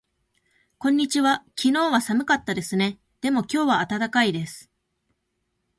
こんにちは。昨日は寒かったですね。でも今日は暖かいです。